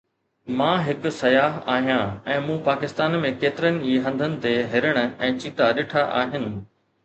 مان هڪ سياح آهيان ۽ مون پاڪستان ۾ ڪيترن ئي هنڌن تي هرڻ ۽ چيتا ڏٺا آهن